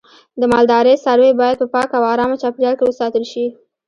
د مالدارۍ څاروی باید په پاکه او آرامه چاپیریال کې وساتل شي.